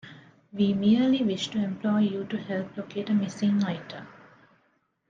We merely wish to employ you to help locate a missing item.